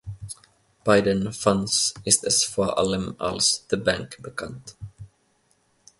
Bei den Fans ist es vor allem als "The Bank" bekannt.